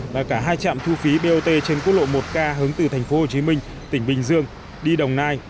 là cả hai trạm thu phí bot trên quốc lộ một k hướng từ thành phố hồ chí minh tỉnh bình dương đi đồng nai